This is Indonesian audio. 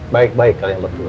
baik baik kalian berdua